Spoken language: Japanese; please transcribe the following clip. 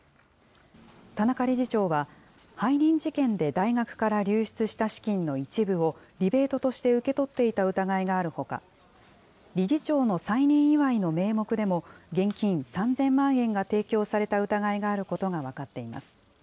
田中理事長は、背任事件で大学から流出した資金の一部をリベートとして受け取っていた疑いがあるほか、理事長の再任祝いの名目でも、現金３０００万円が提供された疑いがあることが分かっています。